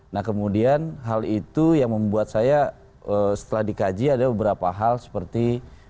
nah kemudian hal itu yang membuat saya setelah dikaji ada beberapa hal seperti